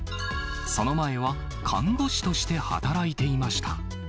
その前は看護師として働いていました。